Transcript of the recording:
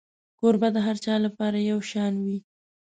کوربه د هر چا لپاره یو شان وي.